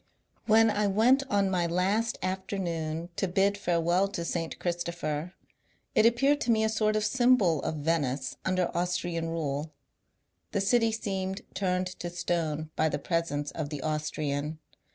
When I went on my last afternoon to bid farewell to St. Christopher, it appeared to me a sort of symbol of Venice under Austrian rule. The city seemed turned to stone by the presence of the Austrian.